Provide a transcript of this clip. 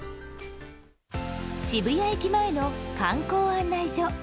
渋谷駅前の観光案内所。